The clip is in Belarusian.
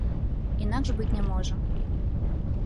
Інакш быць не можа.